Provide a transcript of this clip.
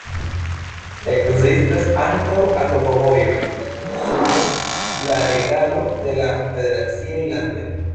Ekzistas ankaŭ akvovojoj sub la regado de la federaciaj landoj.